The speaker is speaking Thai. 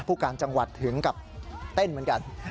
ผู้การจังหวัดถึงกับเต้นเหมือนกัน